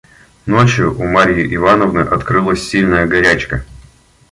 Ночью у Марьи Ивановны открылась сильная горячка.